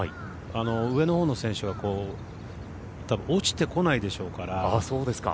上のほうの選手はたぶん落ちてこないでしょうから。